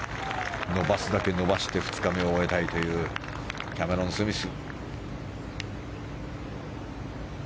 伸ばすだけ伸ばして２日目を終えたいというキャメロン・スミス。